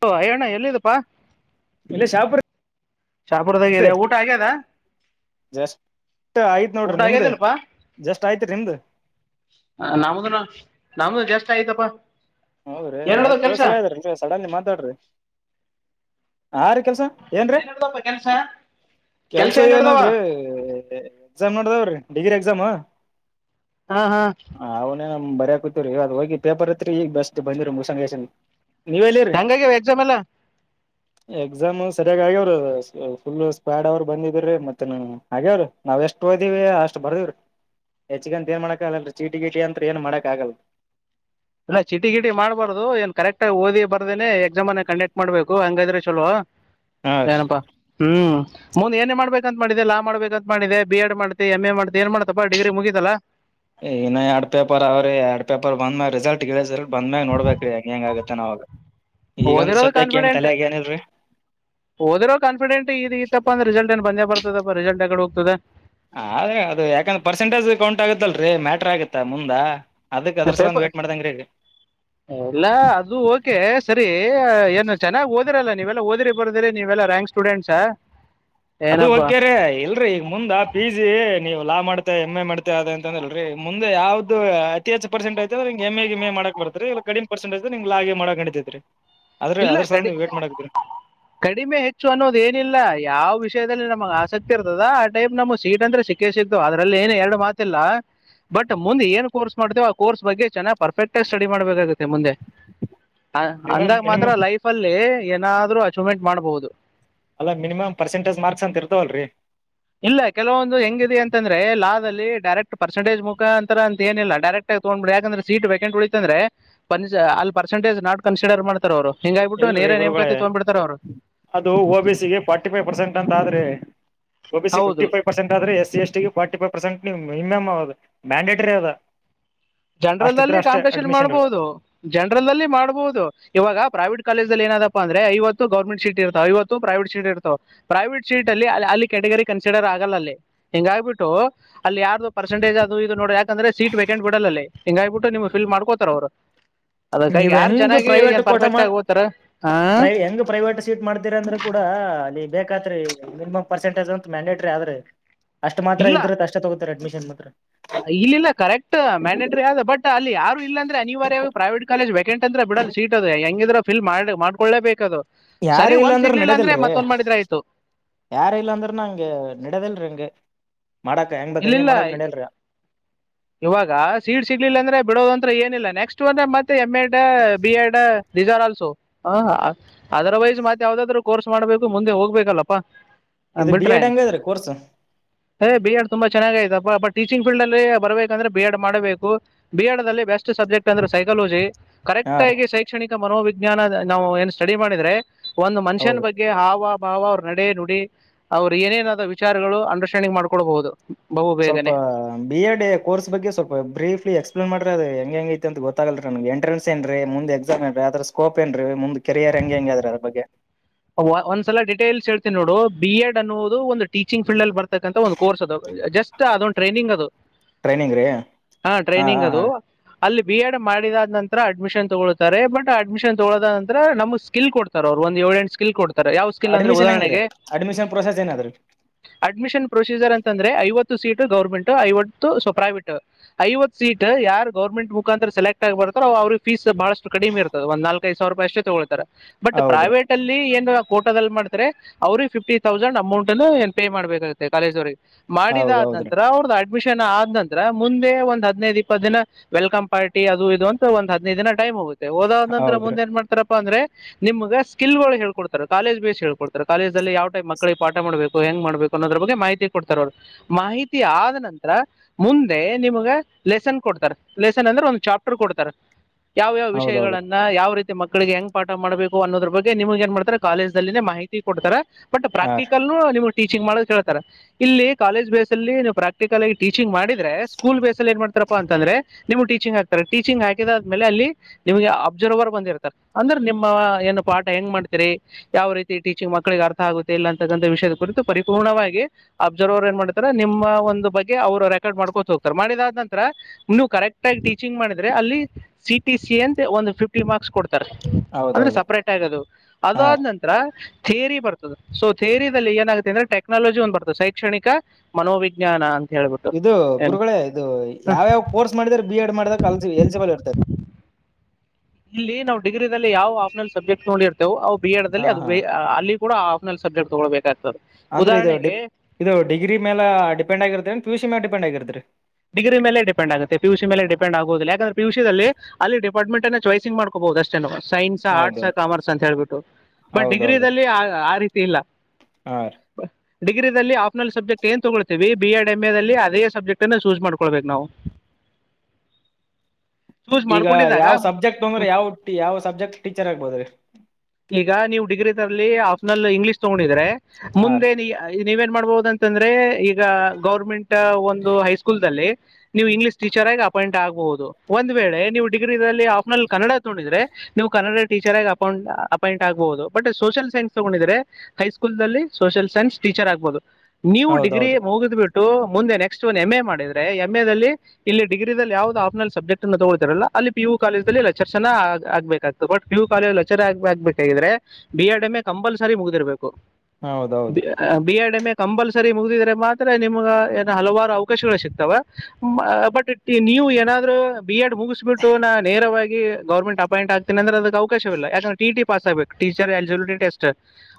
Hello ಅಯ್ಯಣ್ಣ ಎಲ್ಲಿದ್ದಪ್ಪಾ ಇಲ್ಲೇ ಶಾಪುರ್ ಚಾಪುರದಾಗ ಇದದೆ ಊಟ ಹಾಗ್ಯದ ಜಸ್ಟ್ ಆಯ್ತ್ ನೋಡ್ರಿ ನಿಮ್ದ ಆಗ್ಯದಿಲ್ಲಪಾ ಜಸ್ಟ್ ಆಯ್ತ್ ನಿಮ್ದ ಹ ನಮಗ ನಮಗ ಜಾಸ್ತಿ ಆಯ್ತಪಾ ಹೌದ್ರೀ ಹಾಗ್ ಕೆಲ್ಸಲ ಸಡನ್ಲಿ ಮಾತಾಡ್ರಿ ಆ ರೀ ಕೆಲ್ಸ ಏನ್ರೀ ಏನ್ ನಡ್ದಪ್ಪ ಕೆಲ್ಸ ಕೆಲ್ಸ ಏನ್ ನಡ್ದವ ಏನನ್ರೀ ಎಕ್ಸಾಮ್ ನೋಡ್ದಾವ್ರೀ ಡಿಗ್ರಿ ಎಕ್ಸಾಮ ಹಾ ಹಾ ಹ್ ಬರಿಯಕತ್ವರಿ ಅದ ಹೋಗಿ ಪೇಪರ್ಐತ್ರಿ ಈಗ ಬಸ್ಟ್ ಬಂದಿರರಿ ಮುಸಂಗೇಶನ್ ಹಂಗಾಗಿಯವ ಎಕ್ಸಾಮ್ ಎಲ್ಲ ಎಕ್ಸಾಮ್ ಸರಿಯಾಗಿ ಆಗ್ಯವ್ರ ಫುಲ್ ಸ್ಪ್ಯಾಡ್ ಅವರ್ ಬಂದಿದ್ರೀ ಮತ್ತೆ ಹಾಗಗ್ಯಾವ್ರೀ ನಾವ್ ಎಷ್ಟು ದಿವವಿ ಅಷ್ಟ್ ಬರ್ದೀವ್ರೀ ಹೆಚ್ಚಗಂತ ಏನ್ ಮಾಡಾಕ್ಗಲ್ಲಲ್ ಚೀಟಿ ಗೀಟಿ ಅಂತ ಏನ್ ಮಾಡಕ್ ಆಗಲ್ ಅಲ್ಲ ಚಿಟಿ ಗಿಟಿ ಮಾಡ್ಬಾರ್ದು ಏನ್ ಕರೆಕ್ಟ್ ಆಗ ಓದಿ ಬರ್ದೇನೆ ಎಕ್ಸಾಮ ಅನ್ನ ಕಂಡಕ್ಟ್ ಮಾಡ್ಬೇಕು ಹಂಗಾದ್ರೆ ಚೊಲೋ ಹಾ ರೀ ಏನಪ್ಪಾ ಹ್ಮ್ ಮುಂದ್ ಏನೇ ಮಾಡ್ಬೇಕಂತತ್ ಮಾಡಿದೆ ಲಾ ಮಾಡ್ಬೇಕಂತ ಮಾಡಿದೆ ಬಿ ಎಡ್ ಮಾಡ್ ಎಂ ಎ ಮಾಡ್ತ ಏನ ಮಾಡತಪ್ಪ ಡಿಗ್ರಿ ಮುಗಿತಲ್ಲಾ ಏ ಇನ ಎರ್ಡ್ ಪೇಪರ್ ಅವ ರೀ ಎರ್ಡ್ ಪೇಪರ್ ಬಂದ ಮೇಲಾ ರಿಸಲ್ಟ್ ರಿಸಲ್ಟ್ ಬಂದ್ಮ್ಯಾಗ ನೋಡ್ಬೇಕ್ರಿ ಹೆಂಗ ಹೆಂಗ ಆಗತ್ತೆ ನಾವಾಗ ಈಗಂತ ಸದ್ಯಕ್ಕೆ ಏನ್ ತಲೆಗ ಏನಿಲ್ರರಿ ಹೋದ್ರರು ಕಾನ್ಫಿಡೆಂಟ್ ಇದಗತ್ತಪ್ಪಂದ್ರ ರಿಸಲ್ಟ್ ಏನ್ ಬಂದೇ ಬರ್ತದಪ್ಪಾ ರಿಸಲ್ಟ್ ಎಗಡೆ ಹೋಗ್ತದೆ ಹದ ಅದು ಯಾಕಂದ್ರ ಪರ್ಸೆಂಟೇಜ್ ಕೌಂಟ್ ಆಗತ್ತಲ್ರರಿ ಮ್ಯಾಟ್ರ ಆಗತ್ತ ಮುಂದಾ ಅದಕ್ದ್ರ ಸಲ ಪೇಪರ್ ಒ ವೇಟ್ ಮಾಡ್ದಂಗ್ರ ಹೇಳಿ ಎಲ್ಲ ಅದು ಓಕೆ ಸರಿ ಏನು ಚೆನ್ನಾಗಿ ಓದಿರಲ್ಲ ನೀವೇ ಹೋದ್ರಿ ಬರದ್ರಿ ನೀವೆಲ್ಲ ರ್ಯಾಂಕ್ ಸ್ಟೂಡೆಂಟ್ಸ್ ಅದು ಓಕೆ ರರಿ ಇಲ್ರರಿ ಈಗ ಮುಂದ ಪಿ ಜಿ ನೀವು ಲಾಭ ಮಾಡ್ತ ಎಮ್ ಎ ಮಾಡ್ತ ಅಂತ ಅ್ರಲ್ರೀ ಮುಂದೆ ಯಾವ್ದು ಅತಿ ಹೆಚ್ಚು ಪರ್ಸೆಂಟ್ ಐತ ಅ ಎಂ ಎ ಎಮ ಎ ಮಾಡ ಮಾಡಕ್ ಬರ್ತರಿ ಕಡಿಮ ಪರ್ಸೆಟಜ ನಿಂಗ್ ಆ ಹಾಗ ಮಾಡಕೊಂಡಂಡಿದ್ರರಿ ಇಲ್ಲ ಕಡಿ ಕಡಿಮೆ ಹೆಚ್ಚು ಅನ್ನೋದ ಏನಿಲ್ಲ ಯಾವ ವಿಷಯದಲ್ಲಿ ನ ನ ಆಸಕ್ತಿ ಇರ್ತದ ಆ ಟೈಪ್ ನಮ್ ಸೀಟ್ ಅಂದ್ರೆ ಸಿಕ್ಕೇ ಸಿಕ್ತು ಅದ್ರಲ್ಲಿ ಏನ್ ಎರಡು ಮಾತಿಲ್ಲ ಬಟ್ ಮುಂದೆ ಏನ್ ಕೋರ್ಸ್ ಮಾಡ್ತೇವ ಆ ಕೋರ್ಸ್ ಬಗ್ಗೆ ಚೆನ್ನ್ ಪರ್ಫೆಕ್ಟ್ ಆಗಿ ಸ್ಟಡಿ ಮಾಡ್ಬೇಕಾಗುತ್ತೆ ಮುಂದೆ ಅ ಮಿನಿಮಮ್ ಅಂದಾಗ ಮಾತ್ರ ಮಿನಿಮಮ್ ಲೈಫ ಅಲ್ಲಿ ಏನಾದ್ರೂ ಅಚೀವ್ಮೆಂಟ್ ಮಾಡ್ಬಹುದು ಅಲ್ಲ ಮಿನಿಮ್ ಪರ್ಸೆಂಜ್ ಮಾರ್ಕ್ಸ್ ಅಂತ ಇರ್ತವಲ್ರರಿ ಇಲ್ಲ ಕೆಲವೊಂದು ಹೆಂಗಿದೆ ಅಂತಂದ್ರೆ ಡೈರೆಕ್ಟ್ ಪರ್ಸೆಂಟೇಜ ಮುಖಂತ ಅಂತಏಲ್ಲ ಡೈರೆಕ್ಟ್ ಆಗ ತಗ್ಬಿ ಯಾಕಂದ್ರೆ ಸೀಟ್ ವೇಕೆಟ್ ಉಳಿತ ಅ ಅಲ್ಲಿ ಪರ್ಸಂಟೇಜ್ ನಾಟ್ ಕನ್ಸಿರ್ ಮಾಡ್ತಾರೆ ಅವರು ಹಿಂಗಾಗ್ಬಿಟ್ಟು ನೇರ ಇಲ್ರರಿ ಗುರುಗಳೇ ನೇಮಕಾತಿ ತಗೊಂಡ್ಬಿಡ್ತಾರೆ ಅವರು ಅದು ಓಬ ಸಿಗೆ ಫಾರ್ಟಿ ಫೈವ್ ಪರ್ಸೆಂಟ್ ಅಂತ ಆದ್ರಿ ಬ ಹೌದು ಸಿಫಿ್ಟಿ ವ ಪರ ಆದ್ರ ಎ ಸಿ ಎಸ್ ಫಿ ವ ಪಸೆಟ್ ನೀ ಮಿನಿಮಮ್ದು ಮ್ಯಾಂಡೇಟರಿ ಅದ ಅಷ್ಟಿದ್ರೆ ಜನರಲ್ಲ್ಲಿ ಅಷ್ಟೇ ಕಾಂಪಿಟಷನ್ ಅಡ್ಮಿಷನ್ ಮಾಡ್ಬಹುದು ಜನರಲ್ಲ್ಲಿ ಮಾಡ್ಬಹುದು ಇವಾಗ ಪ್ರೈವೇಟ್ ಕಾಲೇಜದಲ್ಲಿ ಏನಾದಪ್ಪ ಅಂದ್ರೆ ಐತ್ತು ಗೌರ್ಮೆಂಟ್ ಸೀಟ್ ಇರ್ತಾವ ಇವತ್ತು ಪ್ರೈವೇಟ್ ಸೀಟ್ ಇರ್ತಾವ ಪ್ರೈವಟ್ ಸೀಟ್ ಅಲ್ಲಿ ಕೆ ಗರಿ ಕನ್ಸಿಡರ್ ಆಗಲ್ಲ ಅಲ್ಲಿ ಹಿಂಗ ಆಗ್ಬಿಟ್ಟು ಅಲ್ಲಿ ಯಾರ್ದು ಪರ್ಸೆಟೇಜ್ ಅದು ಇದು ನೋಡಿ ಯಾಕಂದ್ರೆ ಸೀಟ್ ವೇಕೆಂಟ್ ಬಿಡಲ್ಲಲ್ಲಿ ಹಿಂಗ ಆಗಬಿಟ್ಟು ನಿಮ್ ಫಿಲ್ ಮಾಡ್ಕೋತಾರ ಅವ್ರು ನೀವ್ ಹೆಂಗ ಪ್ರೈವೇಟ್ ಕೋಟ ಮಾಡ ಓದ್ತಾರ ಆ ಪ್ರೈ ಹೆಂಗ್ ಪ್ರೈವೇಟ್ ಸೀಟ್ ಮಾಡ್ತೀರ ಅಂದ್ರೆ ಕೂಡ ಹಾ ಅದೇ ಬೇಕತ್ರಿ ಮಿನಿಮ್ ಪರ್ಸೆಂಟಜ್ ಅಂತ ಮ್ಯಾಂಡೇಟ್ರರಿ ಆದ್ರೆ ಅಷ್ಟ್ ಮಾತ್ರ ಇಲ್ಲ ಇದ್ರ ಅಷ್ಟೆ ತಗೋತ ಅ್ಮನ್ ಇಲ್ಲಿಲ್ಲ ಕರೆಕ್ಟ್ ಮ್ಯಾಂಡೇಟರಿ ಅದ ಬಟ್ ಅಲ್ಲಿ ಯಾರು ಇಲ್ಲಂದ್ರೆ ಅನಿವಾರ್ಯ ಪ್ರೈವೇಟ್ ಕಾಲೇಜ ವೇಕೆಂಟ್ ಅಂದ್ರೆ ಬಿಡಲ್ಲ ಸೀಟ್ ಅದು ಫಿಲ್ ಮಾಡ ಮಾಡ್ಕೊಳ್ಳೇಬೇಕ ಅದು ಸರಿ ಯಾರು ಇಲ್ಲ ಒಂದ್ ಅಂದ್ರ ಸಿಗ್ಲಿಲ್ಲ ಅಂದ್ರೆ ನಡದಿಲ್ರಿ ಮತ್ತೊಂದ್ ಮಾಡಿದ್ರ ಆಯ್ತು ಯಾರ ಇಲ್ಲಾಂದರುನ ಅಂಗ ನಡೆದಲ್ರಂಗ. ಮಾಡಾಕ್ ಹೆಂಗ್ ಬ ಹೆಂಗಗೆ ಇಲ್ಲಿಲ್ಲ ಮಾಡಾಕ್ ನಡಲ್ರಿ ಇವಾಗ ಸೀಡ್ ಸಿಗ್ಲಿಲ್ಲ ಅಂದ್ರೆ ಬಿಡೋದಂತ್ರ ಇಲ್ಲ ನೆಕ್ಸ್ಟ್ ಬಂದ್ರೆ ಮತ್ತೆ M Ed B Ed research also otherwise. ಮತ್ ಯಾವ್ದಾದ್ರು ಕೋರ್ಸ್ ಮಾಡ್ಬೇಕು ಮುಂದೆ ಹೋಗ್ಬೇಕಲ್ಲಪ್ಪಾ. ಹ ಇದು ಬಿ ಬಿಟ್ರ ಎಡ್ ಹೆಂಗ ಹೆಂಗದ್ರಿ ಕೋರ್ಸ್ ಬಿ ಆಡ್ ತುಂಬಾ ಚೆನ್ನಾಗಯತಪ್ಪ ಬಟ್. ಟೀಚಿಂಗ್ ಫೀಲ್ಡ ಅಲ್ಲಿ ಬರಬೇಕಂದ್ರೆ ಬಿ ಎಡ್ ಮಾಡಬೇಕು ಬಿ ಎಡ್ ಅಲ್ಲಿ ಬೆಸ್ಟ್ ಸಬ್ಜೆಕ್ಟ್ ಅಂದರೆ ಸೈಕಾಲಜಿ. ಹಾ ಕರೆಕ್ಟ್ ರೀ ಆಗಿ ಶೈಕ್ಷಣಿಕ ಮನೋವಿಜ್ಞಾನ ನಾವು ಏನ್ ಸ್ಟಡಿ ಮಾಡಿದ್ರೆ. ಒಂದು ಹೌದು ಮನುಷ್ಯನ ಬಗ್ಗೆ ಹಾವ. ಭಾವ ಅವ್ರ ನಡೆ ನುಡಿ ಅವರು ಏನೇನಾದ ವಿಚಾರಗಳು ಅಂಡರ್ಸ್ಟ್ಯಾಂಡಿಂಗ್ ಮಾಡ್ಕೊಳ್ಬಹುದು. ಬಹು ಸ್ವಲ್ಪ ಬೇಗನೆ ಬಿ ಎಡ್ ಕೋರ್ಸ್. ಬಗ್ ಸ್ವಲ್ಪ ಬೀಫಲಿ ಎಕ್ಸ್ಲೇನ್ ಮಾಡ್ರ ಅದು ಹೆಂಗ ಹೆಂಗ ಐತಿ ಅ ಗೊತ್ತಾಗಲ್ರಿ ನನ್ಗೆ ಎಂನ್ ಏನ್ರಿ ಮುಂದ ಎಕ್ಸಾಮ ನ್ರಿ ಅ್ರ. ಸ್ಕೋಪ್ ಏನ್ರೀ ಮುಂದ್ ಕೆರಿಯರ್ ಹೆಂಗೆ ಹೆಂಗ್ಯದ್ರೀ ಅದ ಬಗ್ಗೆ. ಒಂದ್ಸಲ ಡೀಟೇಲ್ಸ್ ಹೇಳ್ತೀನಿ ನೋಡು ಬಿ ಎಡ್ ಅನ್ನುವುದು ಒಂದು ಟೀಚಿಂಗ್ ಫೀಲ್ ಅಲ್ಲಿ ಬರ್ತಕ್ಕಂಂತ ಒಂದು ಕೋರ್ಸ್ ಅದಾಗ. ಜಸ್ಟ್ ಅದೊಂದು ಟ್ರೈನಿಂಗ್ ಅದು ಟ್ರೈನಿಂಗ್ ರೀ ಹಾ ಹಾ ಟ್ರೈನಿಂಗ್ ಅದು. ಹಾ ಅಲ್ಲಿ ಬಿ ಎಡ್ ಮಾಡಿದ ನಂತರ ಅಡ್ಮಿಷನ್ ತಗೊಳ್ತಾರೆ ಬಟ್ ಅಡ್ಮಿಷನ್ ತಗೊದ ನಂತರ ನಮ್ ಸ್ಕಿಲ್ ಕೊಡ್ತಾರೆ ಅವ್ರು. ಒಂದು ಎವಿಡೆನ್ಸ್. ಅಡ್ಮಿಷನ್ ಹೆಂಗ್ರೀ ಅಡ್ಮಿಷನ್ ಪ್ರೊಸೆಸ್ ಏನಾದ್ರೀ. ಅಡ್ಮಿಷನ್ ಪ್ರೊಸೀಜರ್ ಅಂತ ಅಂದ್ರೆ ಐವತ್ತು ಸೀಟ್. ಗೌರ್ಮೆಂಟ್ ಐವತ್ತು ಪ್ರೈವೇಟ್ ಐವತ್ತು ಸೀಟ್ ಯಾರು ಗೌರ್ಮೆಂಟ್ ಮುಖಾಂತರ ಸೆಲೆಕ್ಟ್ ಆಗಬರ್ತ್ತಾರೋ ಅವ್ರಿಗೆ ಫೀಸ್. ಬಹಳಷ್ಟ ಕಡಿಮೆ ಇರ್ತದೆ ಒಂದು ನಲ್ಕ ದು ಸಾವಿರ ರೂಪಾಯಿ ಅೇ ತಗೊಳ್ತಾರೆ ಬಟ್ ಹೌದ್ರಿ ಪ್ರೈವೇಟ್ ಅಲ್ಲಿ. ಏನ್ ಕೋಟದಲ್ಲಿ ಮಾಡ್ತಾರೆ ಅವ್ರಿಗೆ ಫಿಫ್ಟಿ ತೌಸಂಡ್ ಅಮೌಂಟ್ ಅನ್ನು ಏನ್ ಪೇ ಮಾಡ್ಬೇಕಾಗುತ್ತೆ ಕಾಲೇಜ್ ಅವ್ರಿಗೆ. ಹೌದ್ ಮಾಡಿದಾದ ಹೌದ್ರಿ ನಂತರ ಅವ್ರ್ದ ಅಡ್. ಮಿಷನ್ ಆದ ನಂತರ ಮುಂದೆ ಒಂದ್ ಹದಿನೈದು್ ಇಪ್ಪತ್ತು ದಿನ ವೆಲ್ಕಮ್ ಪಾರ್ಟಿ ಅದು ಇದು ಅಂತ ಒಂದ್ ಹದಿನೈದು ದಿನ. ಟೈಮ್ ಹೋಗುತ್ತೆ ಹೋದಾದ ನಂತರ ಹೌದ್ರಿ ಮುಂದೆ ಏನ್ ಮಾಡ್ತಾರಪ್ಪ ಅಂದ್ರೆ ನಿಮ್ಗೆ ಸ್ಕಿಲ್ ಒ. ಹೇಕೊಡ್ತಾರೆ ಕಾಲಜ್ ಬೇಸ್ಳ್ಕಡ್ತಾರೆ ಕಾಲೇಜ ನಲ್ಲಿ ಯ ಟೈಮ ಮಳಿಗೆ ಪಾ ಮಾಡಬೇಕು ಹೆ್ಬೇಕ ಅನ್ನೋದ್ರಗ್ ಮಾಹತಿಡ್ತ ಅವರು. ಮಾಹಿತಿ ಆದ ನಂತರ ಮುಂದೆ ನಿಮ್ಗೆ ಲೆಸನ್ ಕೊಡ್ತಾರೆ ಲೆಸನ್ ಅಂದ್ರೆ ಒಂದು ಚಾ್ಟ ಕೊಡ್ತಾರೆ ಯಾವ್ಯಾವ ಹೌದೌದ್ರಿ ವಿಷಯಗಳನ್ನ ಯಾವ ರೀತಿ ಮಕ್ಕಳಿಗೆ ಹೆಂಗ್ ಪಾಠ ಮಾಡ್ಬೇಕು ಅನ್ನೋದ್ರ ಬಗ್ಗೆ ನಿಮಗೆ ಮಾಡ್ತಾರೆ ಕಾಲೇಜ್ಲ್ಲಿೇ ಮಾಹಿತಿ ಕೊಡ್ತಾರೆ ಬಟ್ ಹಾ ರೀ ಪ್ರಾಕ್ಟಿಕಲ್ ನಿಮ್ಗೆ ಟೀಚಿಂಗ್ ಮಾಡೋದು ಕೇಳ್ತಾರೆ ಇಲ್ಲಿ ಕಾಲೇಜ್ ಬೇಸ್ ಅಲ್ಲಿ ನೀವು ಪ್ರಾಕ್ಟಿಕಲ್ಗಿ ಟೀಚಿಂಗ್ ಮಾಡಿ ಅಂದ್ರ ಸ್ಕೂಲ್ ಬೇಸಲ್ಲಿ ಏನ್ ಮಾಡ್ತಾರಾ ಅಂದ್ರೆ ನಿಮ್ ಟೀಚಿಂಗ್ ಹಾಕ್ತಾರೆ ಟೀಚಿಂಗ್ ಹಾಕಿದಾದ್ಮೇಲೆ ಅಲ್ಲಿ ನಿಮಗೆ ಅಬ್ಜರ್ವರ್ ಬಂದಿರ್ತಾರೆ ಅಂದ್ರೆ ನಿಮ್ಮ ಪಾಠ ಹೆಂಗ್ ಮಾಡ್ತಾರೆ ಯಾವ ರೀತಿ ಟೀಚಿಂಗ್ ಮಕ್ಕಳಿಗೆ ಅರ್ಥ ಆಗುತ್ತೆ ಇಲ್ಲ ಅಂತಕ್ಕಂಥ ವಿಷಯದ ಕುರಿತು ಪರಿಪೂರ್ಣವಾಗಿ ಅಬ್ಸರ್ವರ್. ಮಾಡ್ತಾರೆ ನಿಮ್ಮ ಒಂದು ಬಗ್ಗೆ ಅವರು ರೆಕಾರ್ಡ್ ಮಾಡ್ಕೊತ ಹೋಗ್ತಾರೆ ಮಾಡಿದಾದ ನಂತರ ನೀವು ಕರೆಕ್ಟ್ ಆಗಿ ಟೀಚಿಂಗ್ ಮಾಡಿ. ಇದ್ರೆ ಅಲ್ಲಿ ಸಿಟ ಸಿ ಅಂತ ಒಂದು ಫಿಫ್ಟಿ ಮಾರ್ಕ್ಸ್ ಕೊಡ್. ಅಂದ್ರೆ ಹೌದೌದ್ರಿ ಸಪ್ರೇಟ್ ಆಗದು ಹಾ ಅದಾದ್ ರೀ ನಂತರ. ಥೇರಿ ಬರ್ತದೆ ಸೊ ಥೇರಿಲ್ಲಿ ಏನಾಗುತ್ತೆ ಅಂದ್ರೆ ಟೆಕ್ನಾಲಜಿ ಒಂದ್ ಬರ್ತದೆ ಶೈಕ್ಷಣಿಕ ಮನೋವಿಜ್ಞಾನ ಅಂತ ಹೇಳ್ಬಿಟ್ಟು ಇದು ಏನು ಗುರುಗಳೇ ಇದು ಯಾವ್ಯಾವ ಕೋರ್ಸ್ ಮಾಡಿದರೆ ಬಿ ಎಡ್ ಮಾಡಿದಲ್ಸ ಎಲ್ಸಿಬಲ್ ಇರ್ತಾರೆ ಇಲ್ಲಿ ನಾವು ಡಿಗ್ರಿಲ್ಲಿ ಯಾವ್ ಆಪ್ನಲ್ ಸಬ್ಜೆಕ್ಟ್ ನೋಡಿ ಇರ್ತೇವು ಅವು ಬಿ ಹಾ ಎಡ್ಲ್ಲಿ ಅದು ಹಾ ಅಲ್ಲಿ ಕೂ ಆ್ಲ್ ಸಬ್ಜೆಟ್ ತಗೊಬೇಕೇಕ್ತದೆ ಅಂದ್ರೀ ಇದು ಡಿ ಇದು ಡಿಗ್ರಿ ಮೇಲೆ ಡಿಪೆಂಡ್ ಆಗಿರ್ತರಿ ಪಿಯುಸಿಮೇಲೆ ಡಿಪೆಂಡ್ ಆಗಿರ್ತ್ರಿ. ಡಿಗ್ರಿೇಲೆ ಡಿಪೆಂಡ್ ಆುತ್ತೆ ಪುಸ ಮೇಲೆ ಡೆೆಂಡ್ ಆಗಹುದು ಯಾಕ್ರೆ ಪಿಯುಸಿಯಲ್ಲಿ ಅಲ್ಲಿಡಿಪೆ. ಬ್ಮಂಟ ಚಾಯ್ಂಗ್ಬಹಷ್ಟ. ಸೈನ್ಸ್ ಆರ್ಟ್ಸ್ ಹೌದೌದು ಕಾಮರ್ಸ್ ಅಂತ ಹೇಳ್ಬಿಟ್ಟು ಬಟ್ ಡಿಗ್ರಿಲ್ಲಿ ಆ ರೀತಿ ಇಲ್ಲ. ಆ. ಡಿಗ್ರಿಲ್ಲಿ ಆಪ್ನಲ್ ಸಬ್ಜೆಕ್ಟ್ ಏ ತಗೊಳ್ತೀವಿ ಬಿ ಎಡ್ ಎಂ ಎ ಅದ ಸಬ್ಕ್ಟ್. ಚೂಸ್ ಮಾಡ್ಕೊಳ್ಬೇಕ ನಾವು ಚೂಸ್ ಈಗ ಮಾಡ್ಕೊಂಡಿದ್ದಾಗ ಯಾವ್ ಸಬ್ಜೆಕ್ಟ್ ಅಂದ್ರೆ ಯಾವ ಯಾವ ಸಬ್ಜೆಕ್ಟ್ ಟೀಚರ್ ಆಗ್ಬೋದ್ರೀ ಈಗ ನೀವು್ ಡಿಗ್ರಿ ತರಲಿ ಆಫ್ನರ್ ಇಂಗ್ಲಿೀಷ್ ತಗೊಂಡಿದ್ರೆ ಹಾ ರೀ ಮುಂದೆ ನೀ ನೀವೇ ಮಾಡ್ಬಹುದು ಅಂತಂದ್ರೆ ಈಗ ಗೌರ್ಮೆಂಟ್ ಒಂದು ಹೈ ನೀವು ಇಂಗ್ಲಷ್ ಟೀಚರ್ ಆಿ ಅಪಾಯಿಂಟ್ ಆಗಬಹುದು ಒಂದ್ ವೇಳೆ ನೀವು ಲ್ಲಿ ಆಫ್ನಲ್ಲಿ ಕನ್ನಡ ತಗೊಂಡಿದ್ರೆ ನೀವು ಕನ್ನಡ ಟೀಚರ್ ಆಗ ಅಪ ಅಪಾಯಿಂಟ್ ಆಗ್ಬಹುದು ಬಟ್ ಸೋಷಲ್ ಸೈನ್ಸ್ ತಗೊಂಡಿದ್ರೆ ಹೈಸ್ಕೂಲ್ಲ್ಲಿ ಸೋಷಿಯಲ್ ಸೈನ್ಸ್ ಟೀಚರ್ ಆಗ್ಬಹುದು ನೀವು ಡಿಗ್ರಿ ಹೌದೌದು ಮುಗಿದ್ ಬಿಿಟ್ಟು ಮುಂದೆ ನೆಕ್ಸ್ಟ್ ಒಂದು ಎಂ ಎ ಮಾಡ ಇದ್ರೆ ಎಮ್ ಎಲ್ಲಿ ಇಲ್ಲಿ ಡಿಗ್ರಿಲ್ಲಿ ಯಾವ್ದ್ ಆಪ್ನಲ್ ಸಬ್ಜೆಕ್ಟ್ ಅ ತಗೋತಿರಲ್ಲ ಅಲ್ಲಿ ಪಿ ಯು ಕಾಲೇಜಲ್ಲಿ ಲೆಚರ್ ಚನ ಆಗ್ಬೇಕಾಗತು ಬಟ್ ಕೂ ಕಾಲೇಜಚ ಆಗ್ಬೇಕ್ರೆ B Ed M A compulsory ಮುಗಿದಿರ್ಬೇಕು ಹೌದೌದ್ರಿ B Ed M A compulsory ಮುಗಿದಿದ್ರೆ ಮಾತ್ರ ನಿಮಗೆ ಏನ ಹಲವಾರು ಅವಕಾಶಗಳಗಳು ಸಿಕ್ತ ಬಟ್ ನೀವು ಏನಾದ್ೂ ಬಿ ಎಡ್ ಮುಗಿಸ್ಬಿಟ್ಟು ನಾ ನೇರವಾಗಿ ಗೌರ್ಮೆಂಟ್ ಅಪಾಯಂಟ್ ಆಗ್ತನ ಅ್ರ ಅದು ಅವಕಶವಿಲ್ಲ ಯಾಕಂದೆಟಿ ಪಾಸ್ ಆಬೇಕು ಟೀಚರ್ ಎಲಿಜಿಬಿಲಿಟಿಟೆಸ್ಟ್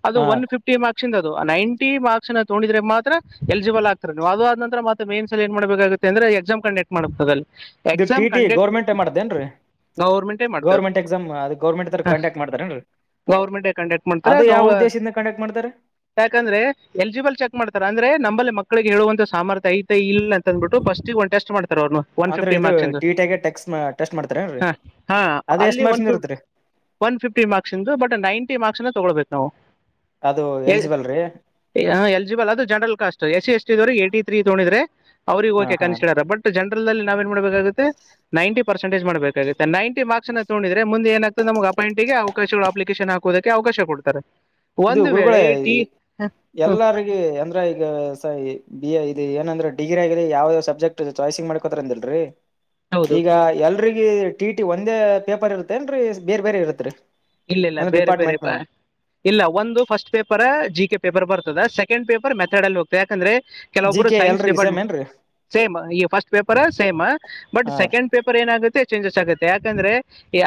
ಅದು ಹಾ ಒ ರೀ ಫ್ಟಿ ಮಾರ್ಕ್ಸ್ ಅದು ನೈಂಟಿ ಮಾರ್ಕ್ಸ್ ತೋೊಂಡಿದ್ರೆ ಮಾತ್ರ ಎಲಿಜಿಬಲ್ ಆಗ್ತಾರೆ ನೀವು ಅದು ಆದ ನಂತರ ಮ ಮೇನ್ ಏನ್ ಮಾಡಬೇಕಾಗುತ್ತೆಂದ್ರೆ ಎಕ್ಸಾಮ್ ಕಂಡಕ್ಟ್ ಮಾಡ್ ಅಲ್ಲಿ E T exam T conduct government ಮಾಡ್ದೇಏನ್ರೀ ಗೌರ್ಮೆಂಟೇ ಮಾಡ್ತದೆ ಗೌರ್ಮೆಂಟ್ ಎಕ್ಸಾಮ್ ಅದ ಗೌರ್ಮೆಂಟ್ ಕಂಡಕ್ಟ್ ಮಾಡ್ತಾರೇನ್ರಿ ಗೌರ್ಮೆಂಟೇ ಕಂಡಕ್ಟ್ ಮಾಡ್ತಾರೆ ಅದು ಗೌ ಯಾವ ಉದ್ದೇಶದಿಂದ ಕಂಡಕ್ಟ್ ಮಾಡ್ತಾರೆ ಯಾಕಂದ್ರೆ ಎಲಿಜಿಬಲ್ ಚೆಕ್ ಮಾಡ್ತಾರ ಅಂದ್ರೆ ನಮ್ಮಲ್ಲಿ ಮಕ್ಕಳ ಹೇಳುವಂತ ಸರ್ಥ ಐ ಇ ಅಂದ್ಬಿು ಫಸ್ಟ್ಿಗೆ ಒಂದು ಟಸ್ಟ್ ಮಾಡಾರೆ ಒನ್ ಅಂದ್ರೆ ಫಿಫ್ಟಿ ಇದು ಮಾರ್ಕ್ ಗೆ ಟೆಕ್ಸ್ ಟೆಸ್ಟ್ ಮಾಡ್ತಾರೇನ್ರಿ ಹ ಹ ಅದು ಎಷ್ಟ್ ಅಲ್ಲಿ ಒನ್ ಮಾರ್ಕ್ಸ್ ಫ್ಟ ಇರುತ್ರಿ ಒನ್ ಫಿಫ್ಟಿ ಮಾರ್ಕ್ಸ್ ಇಂದು ಬಟ್ ನೈಂಟಿ ಮಾರ್ಕ್ಸ್ನ ತೊಗೊಳ್ಬೇಕು ನಾವು ಅದು ಎಲಿಜಿಬಲ್ ರೀ ಎಲಿಜಿಬಲ್ ಅದು general caste S C S ಟವ ಏ್ಟಿ ತ್ರೀ ಿದ್ರೆ ಅವ್ರಿಗೆ ಹಾ ಓಕೆ ಹಾ ಕನ್ಿಸಡರ್ ಬಟ್ ಜನರಲ್ ನಲ್ಲಿ ನಾವ ನ್ ಮಾಡಬೇಕಾಗುತ್ತೆ ನೈನ್ಟಿ ಪರ್ಸಂಟೇಜ ಮಾಡಬೇಕುತ್ತೆ ನೈಂಟಿ ಮಾರ್ಕ್ಸ್ ನ ತೋಿದ್ರೆ ಮುೆ ಏಾಗ್ತದೆ ನಮ ಅಪಾಯಂ ಿಗೆ ಅವಕಾಶಗಳು ಅಪ್ ೇಶನ್ ಹಾಕೋದಕ್ಕೆ ಅವಕಾಶ ಕೊಡ್ತಾರೆ ಇದು ಒಂದು ಗುರುಗಳೇ ವೇಳೆ ಟಿ ಎಲ್ಲಾರಗ ಅಂದ್ರೆ ಈಗ ಸ ಬಿ ಇದು ಏನಂದ್ರೆ ಡಿಗ್ರ ಆಗರಿ ಯಾವ ಯಾವ ಸಬ್ಜಕ್ಟ್ ಚಾಯ್ಸಂಗ್ ಮಾಡ್ಕೋತ ಅಿಲ್ರರಿ ಹೌದು ಈಗ ಎಲ್ರಿಗ ಟಿ ಟಿ ಒಂದೇ ಪೇಪರ್ ಇರತ್ತೇ ಏನ್ರರಿ ಬೇರ್ ಬೇರೆ ಇರತ್ರಿ ಇಲ್ಲ ಇಲ್ಲ ಬೇರೆ ಬೇರೆ ಬಾ ಇಲ್ಲ ಒಂದು first paper G K paper ಬರ್ತದೆ ಸೆಕೆಂಡ್ ಪೇಪರ್ ಮೆತಡ್ಲ್ಲಿ ಹೋಗ್ತದೆ ಯಾಕಂದ್ರೆ ಜಿ ಕೆಲವಬ್ುರು ಕೆ ಸೈನ್ಸ್ ಎಲ್ರಿಗ ಸೇಮ್ ಡಿಪಾರ್ಟ್ಮೆಂಟ್ ಏನ್ರಿ ಸೇಮ್ ಈ ಫಸ್ಟ್ ಪೇಪರ್ ಸೇಮ್ ಬಟ್ ಹಾ ರೀ ಸೆಕೆಂಡ್ ಪೇಪರ್ ಏನಾಗುತ್ತೆ ಚೇಂಜಸ್ ಆಗುತ್ತೆ ಯಾಕಂದ್ರೆ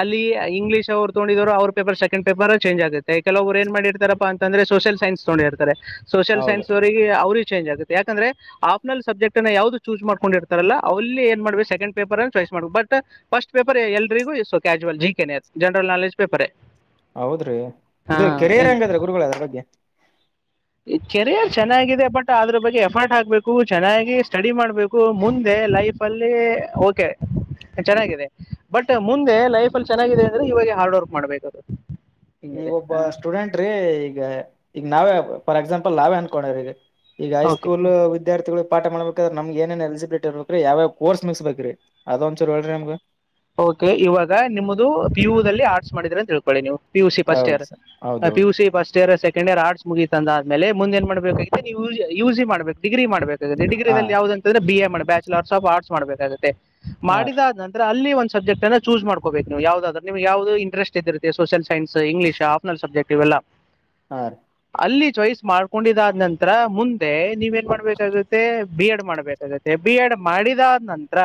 ಅಲ್ಲಿ ಇಂಗ್ಲೀಷ್ ಅವ್ ತೋೊಂಡಿದ್ರು ಅವ್ರ ಪೇಪರ್ ಸಕೆ್ ಪಪರ್ ಚಂಜ್ ಆಗೆ ಕೆಲವರು ಏನ್ ಮಾಡಿರ್ತಾರಪ್ಪ ಅ್ರೆ ಸೋಷಿಯ ಸನ್ಸ್ಗೊಂಡಿರ್ತಾರೆ ಸೋಷಿಯಲ್ ಹೌದ್ರಿ ಸೈನ್ಸ್ ವರೆಗೆ ಅವ್ರ ಚೇಂ್ ಆಗುತ್ತೆ ಯಾಕಂದ್ರೆ ಆಫನಲ್ ಸಬ್ಜೆಕ್ಟ್ನ್ನು ಯಾ್ದದು ಚೂಸ್ ಮಾಡ್ೊಂಡಿರ್ತಾರಲ್ಲ ಅಲ್ಲಿ ಏನ್ ಮಾಡ್ೆ ಸೆಕಂಡ್ ಪೇಪರ್ ಚ್ಸ್ ಮಾಡ ಬಟ್ ಫಸ್ಟ್ ಪೇಪರ್ ಎಲ್ರಿಗೂ ಇ casual G K general knowledge paper ಹೌದ್ರಿ ಹಾ ಇದು ಕೆರೆಯ ರಂಗ ಅದ್ರ ಗುರುಗಳ ಅದ್ರ ಬಗ್ಗೆ ಈ ಕೆರಿಯರ್ ಚೆನ್ನಾಗಿದೆ ಬಟ್ ಅದ್ರ ಬಗ್ಗೆ ಎಫರ್ಟ್ ಹಾಕ್ಬೇಕು ಚೆನ್ನಾಗಿ ಸ್ಟಡಿ ಮಾಡ್ಬೇಕು ಮುಂದೆ ಲೈಫ್ ಅಲ್ಲಿ ಓಕೆ ಚೆನ್ನಾಗಿದೆ ಬಟ್ ಮುಂದೆ ಲೈಫ್ ಅಲ್ಲಿ ಚೆನ್ನಾಗಿದೆ ಅಂದ್ರೆ ಇವಾಗ ಹಾರ್ಡ್ ವರ್ಕ್ ಮಾಡ್ಬೇಕದು ಈಗ ಒಬ್ಬ ಸ್ಟೂಡೆಂಟ್್ರೀ ಈಗ ಈಗ ನಾವೇ ಫಾರ್ ಎಕ್ಸಾಂಪಲ್ ನಾವೇ ಅನ್ಕೋೊಂಡ್ರ ಈಗ ಈಗ ಓಕೆ ಹೈಸ್ಕೂಲ್ ವಿದ್ಯಾರ್ಥಿಗಳು ಪಾಠ ಮಾಡ್ಬೇಕಾದ್ರೆಮ್ ಏನೇಏ ಎಲಿಜಿಬಲಿಟಿರ್ಬೇಕು್ರೀ ಯಾವೋರ್ಸ್ ಮಗ್ಸ್ಬೇಕ್ರೀ ಅದ ಒಂದ್ೂರು ಹೇಳಿ ನಮಗ ಓಕೆ ಇವಾಗ ನಿಮ್ದ ಪಿ ಯು ದಲ್ಲಿ ಆರ್ಟ್ಸ್ ಮಾಡಿದ್ರ ಅಂತ ತಿೇಳ್ಕೊಳ್ಳಿ ನೀವು ಪಿಯು ಸಿ ಫಸ್ಟ್ ಹೌದ್ ಇಯರ್ ಸರ್ ಪು ಹೌದೌದು C first year second year arts ಮುಗಿ ತಂದ ಆಮೇಲೆ ಮುಂದ ಏನ್ ಮಾಡ್ಬೇಕ ನೀವು ಯ ಯುಿ ಮಾಡ್ಬೇಕ ಡಿ್ರಿ ಮಾಡ್ಬೇಕೆ ಹಾ ಡಿಗ್ರಿಲ್ಲಿ ಯಾವ್ದ ಅಂದ್ರ ಬಿ ಎ ಮಾಡ್ಬೇಕ ಬ್ಯಾಚುಲರ್ಸ್ ಆಫ್ ಆರ್ಟ್ಸ್ ಮಾಡ್ಬೇಕಾಗುತ್ತೆ ಹಾ ರೀ ಮಾಡಿದ ನಂತರ ಅಲ್ಲಿ ಒಂದು ಸಬ್ಜೆಟ್ ಅ ಚೂಸ ಮಾಡ್ಕೋಬೇಕು ನೀವು ಯಾವವುದ್ರಮ ಯವುದ ಇಂಟರೆಸ್ಟ್ ಇದಿತ್ತೆ social science English optional subject ಇವೇಲಾ ಲ್ಲ ಹ ಅಲ್ಲಿ ಚಾಯಯ್ಸ್ ಮಾಡ್ಕೊಂಡಿದಾದ ನಂತರ ಮುಂದೆ ನೀವ ಏನ್ ಮಾಡ್ಬೇಕಾಗುತ್ತೆ ಬಿ ಎಡ್ ಮಾಡ್ಬೇಕಾಗುತ್ತೆ ಬಿ ಎಡ್ ಮಾಡಿದ ನಂತರ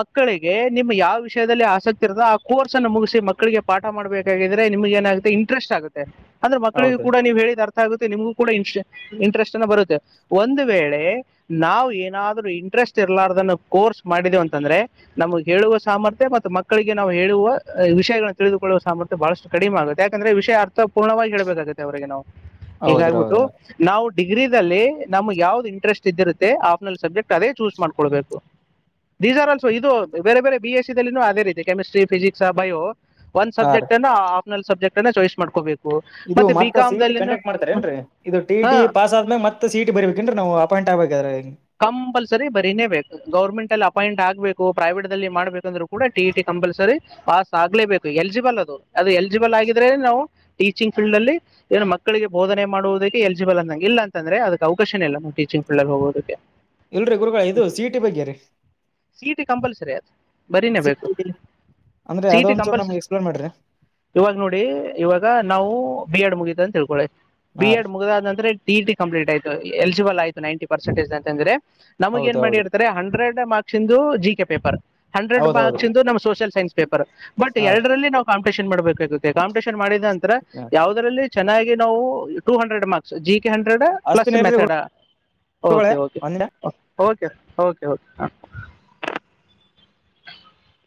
ಮಕ್ಕಳಿಗೆ ನಿಮ್ಮ್ ಯಾವ ವಿಕ್ಷಯದಲ್ಲಿ ಆಸಕ್ತಿ ಇರುತ್ತ ಆ ಕೋರ್ಸ್ ಅನ್ನು ಮುಗಿಸಿ ಮಕ್ಕಳಿಗೆ ಪಾಠ ಮಾಡಬೇಕಿದ್ರೆ ನಿಮ್ಗೆ ಏನಾಗುತ್ತೆ ಇಂಟ್ರೆಸ್ಟ್ ಆಗುತ್ತೆ ಅಂದ್ರ ಹೌದು ಮಕ್ಕಳಿಗೊಡ ನೀ ಹೇಳಿದ ಆಗುತ್ತೆ ನಿಮ್ಗೂ ಕೂಡ ಇ ಇಂಟ್ರೆಸ್ಟ್ ಅನ್ನು ಬರುತ್ತೆ ಒಂದು ವೇಳೆ ನಾವು ಏನಾದರೂ ಇಂ ಇಂಟ್ರೆಸ್ಟ್ ಇರಲಾರ್ದನ್ನು ಕೋರ್ಸ್ ಮಾಡಿದೆವ ಅಂತಂದ್ರೆ ನಮಗೆ ಹೇಳುವ ಸಾಮರ್ಥ್ಯ ಮತ್ತು ಮಕ್ಕಳಿಗೆ ನಾವು ಹೇಳುವ ಮಕ್ಕಳಿಗೆ ಮಕ್ಕಳಿಗೆ ನಾವು ಹೇಳುವ ವಿಷಯಗಳನ್ನು ತಿಳಿದುಕೊಳ್ಳುವ ಸಾಮರ್ಥ್ಯ ಬಹಳಷ್ಟ ಕಡಿಮೆ ಆಗುತ್ತೆ ಯಾಕಂದ್ರೆ ವಿಷಯ ಅರ್ಥ ಪೂರ್ಣ ಪೂರ್ಣವಾಗಿ ಕಬೇಕುತ್ತೆ ಅವ ನಾವು ಹೌದ್ರಿ ಹಗಬಿಟ್ಟು ಹೌದ್ರಿ ನಾವು ಡಿಗ್ರಿಲ್ಲಿ ನಮ್ಗೆ ಯಾವ್ದ್ ಇಂಟ್ರೆಸ್ಟ್ ಇದ್ದಿರುತ್ತೆ ಆಫ್ನಲ್ ಸಬ್ಜೆಕ್ಟ್ ಅದೇ ಚೂಸ್ ಮಾಡ್ಕೊಳ್ಬೇಕು ದಸ ಅಲ್ಸ ಇದು ಬೇರೆ ಬೇರೆ ಬಿ ಎಸ್ ಅದೇ ರೀತಿ ಕೆಮಿಸ್ಟ್ರಿ ಫಿಿಸಿಕ್ಸ್ ಬಯೋ ಒಂದು ಹಾ ರೀ ಸಬ್ಜೆಕ್ಟ್ ಅನ್ನು ಆಪ್ನಲ್ ಸಬ್ಜೆಕ್ಟ್ ಅನ್ನು ಚಾಯ್ಸ್ ಮಾಡ್ಕೋಬೇಕು ಇದು ಮತ್ತೆ ಬಿ ಮತ್ತ ಸಿಟಿ ಕಾಮ್ದಲ್ಲಿನೂ ಕಂಡಕ್ಟ್ ಮಾಡ್ತಾರೆ ಇದು ಟಿ ಈ ಹಾ ಟೀ ಪಾಸ್ ಆದ್ಮೇ ಮತ್ತೆ ಸಿಟಿ ಬರ್ಬೇಕೇನ್ರಿ ನಾವು ಅಪಾಯಿಂಟ್ ಆ ವಗರ ಕಂಪಲ್ಸರಿ ಬರೀನೇ ಬೇಕು ಗೌರ್ಮೆಂಟ್ ಅಪಾಯಿಂಟ್ ಆಗ್ಬೇಕು ಪ್ರೈವೇಟ್ ಅಲ್ಲಿ ಮಾಡ್ಬೇಕಂದ್ರೂ ಕೂಡ ಟಿ ಟಿ ಕಂಪಲ್ಸರಿ ಪಾಸ್ ಆಗ್ಲೇಬೇಕು ಎಲಿಜಿಬಲ್ ಅದು ಅದು ಎಲಿಜಿಬಲ್ ಆಗಿದ್ರೆ ನಾವು ಟೀಚಿಂಗ್ ಫೀಲ್ಡ್ ಅಲ್ಲಿ ಏನು ಮಕ್ಕಳಿಗೆ ಬೋಧನೆ ಮಾಡುವುದಕ್ಕೆ ಎಲಿಜಿಬಲ್ ಅಂದ ಇಲ್ಲ ಅಂದ್ರ ಅದಕ್ಕೆ ಅವಕಶನೇ ಇ ಟಚಿ ಫಲ್ಡ್ಲ್ಲಿ ಹೋಗೋದಕ್ಕೆ ಇಲ್ರಿ ಗುರುಗಳ ಇದು ಸಿ ಇ ಟಿ ಬಗ್ಗೆ ರೀ ಸೀಟ ಕಂಪಲ್ಸರಿಯ ಬರೀನೇ ಸಿ ಬೇಕು ಇ ಟಿ ಅಂದ್ರೆ ಸೀಟ ಅದೊಂಚೂರು ನಮ್ಗೆ ಕಂಪಲ್ಸರಿ ಎಕ್ಸ್ಪ್ಲೇನ್ ಮಾಡ್ರಿ ಇವಾಗ ನೋಡಿ ಇವಾಗ ನಾವು ಬಿ ಎಡ್ ಮುಗಿದವಿ ಅಂತ ತಿಳ್ಕೊಳ್ಳಿ ಬಿ ಹಾ ರೀ ಎಡ್ ಮುಗದಾದಂತ ಟ ಟ ಕಂಪ್ಲೀಟ್ ಆಯ್ು ಎಲಿಜಿಬಲ್ ಆಯತು ನೈನ್ಟಿ ಪರ್ಸೆಟೇಜ್ ಅ ಅಂದ್ರೆ ನಮಗ್ ಹೌದ್ ಏನ್ ಹೌದ್ರಿ ಮಾಡಿರ್ತಾರೆ ಹಂಡ್ರೆಡ್ ಮಾರ್ಕ್ಸ್ ಇಂದು ಜಿ ಕೆ ಪೇಪರ್ ಹಂಡ್ರೆಡ್ ಹೌದ್ ಮಾರ್ಕ್ಸ್ ಹೌದ್ರಿ ಇಂದು ನಮ್ಮ್ ಸೋಷಿಯಲ್ ಸೈನ್ಸ್ ಪೇಪರ್ ಬಟ್ ಹಾ ರೀ ಎರಡರಲ್ಲಿ ನಾ ಕಂಪಿಟಿಷನ್ ಮಾಡ್ಬೇಕು ಇರುತ್ತೆ ಕಾಂಪಿಟೇಷನ್ ಮಾಡಿದ ನಂತರ ಹಾ ಯಾವುದ್ರಲ್ಲಿ ಚೆನ್ನಾಗಿ ನಾವು two hundred marks G hundred plus method okay okay ಒಂದೆ ಓಕೆ ಓಕೆ ಹ